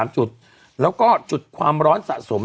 ๓จุดแล้วก็จุดความร้อนสะสม